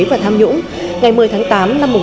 và tham nhũng ngày một mươi tháng tám năm